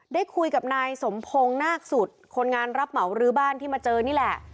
ได้คุยกับนายสมพงศ์นาคสุดคนงานรับเหมารื้อบ้านที่มาเจอนี่แหละ